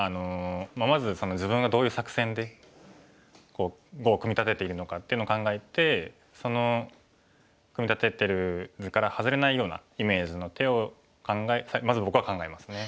まず自分がどういう作戦で碁を組み立てているのかっていうのを考えてその組み立ててる図から外れないようなイメージの手をまず僕は考えますね。